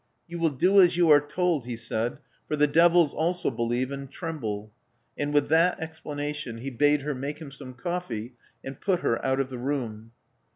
You will do as you are told," he said; '*for the devils also believe and tremble." And with that explanation, he bade her make him some coffee, and put her out of the room.